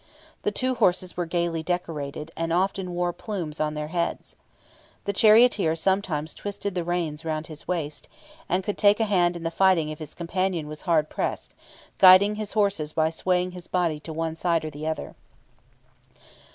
The two horses were gaily decorated, and often wore plumes on their heads. The charioteer sometimes twisted the reins round his waist, and could take a hand in the fighting if his companion was hard pressed, guiding his horses by swaying his body to one side or the other.